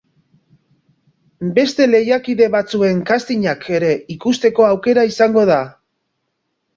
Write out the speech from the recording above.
Beste lehiakide batzuen castingak ere ikusteko aukera izango da.